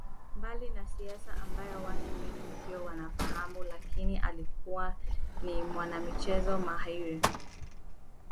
Mbali na siasa ambayo watu wengi ndiyo wanamfahamu lakini alikuwa ni mwanamichezo mahiri